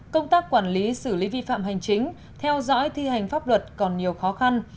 công tác quản lý xử lý vi phạm hành chính theo dõi thi hành pháp luật còn nhiều khó khăn